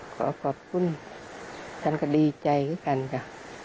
ขอขอบคุณฉันก็ดีใจเหมือนกันค่ะ